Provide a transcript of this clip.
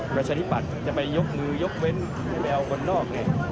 ประชาธิปัตย์จะไปยกมือยกเว้นไปเอาคนนอก